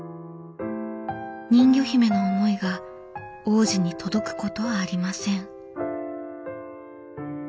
人魚姫の思いが王子に届くことはありません。